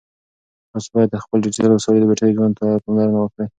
تاسو باید د خپلو ډیجیټل وسایلو د بېټرۍ ژوند ته پاملرنه وکړئ.